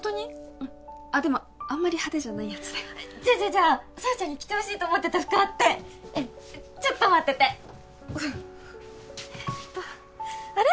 うんあっでもあんまり派手じゃないやつでじゃあじゃあじゃあ小夜ちゃんに着てほしいと思ってた服あってちょっと待っててうんえっとあれ？